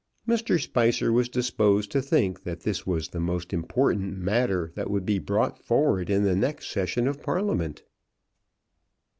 Mr. Spicer was disposed to think that this was the most important matter that would be brought forward in the next session of Parliament.